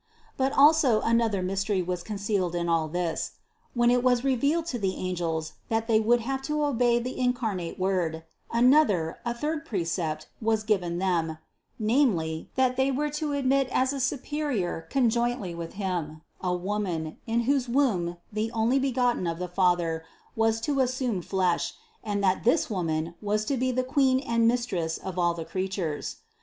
But also another mystery was con cealed in all this: When it was revealed to the angels that they would have to obey the incarnate Word, an THE CONCEPTION 91 other, a third precept was given them, namely, that they were to admit as a superior conjointly with Him, a Woman, in whose womb the Onlybegotten of the Father was to assume flesh and that this Woman was to be the Queen and Mistress of all the creatures.